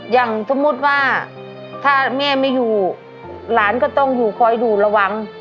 อย่างสมมุติว่าถ้าแม่ไม่อยู่หลานก็ต้องอยู่คอยดูระวัง